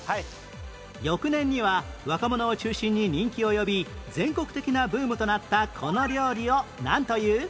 翌年には若者を中心に人気を呼び全国的なブームとなったこの料理をなんという？